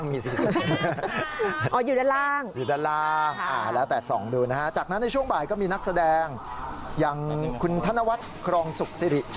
มั่งมีซิสุป